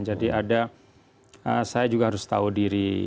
jadi ada saya juga harus tahu diri